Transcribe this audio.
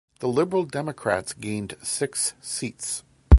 The Liberal Democrats gained six seats.